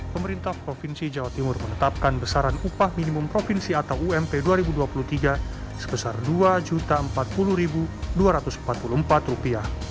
pemerintah provinsi jawa timur menetapkan besaran upah minimum provinsi atau ump dua ribu dua puluh tiga sebesar rp dua empat puluh dua ratus empat puluh empat